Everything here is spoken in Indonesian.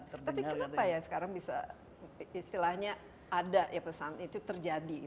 tapi kenapa ya sekarang bisa istilahnya ada ya pesan itu terjadi